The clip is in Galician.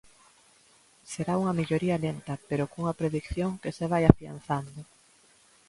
Será unha melloría lenta pero cunha predición que se vai afianzando.